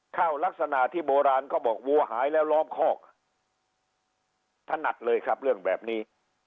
ลักษณะที่โบราณเขาบอกวัวหายแล้วล้อมคอกถนัดเลยครับเรื่องแบบนี้